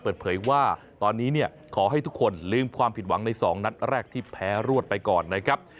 เปิดเผยว่าตอนนี้เนี่ยขอให้ทุกคนลืมความผิดหวังใน๒นัดแรกที่แพ้รวดไปก่อนนะครับ